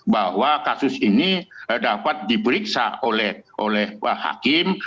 bahwa kasus ini dapat diperiksa oleh hakim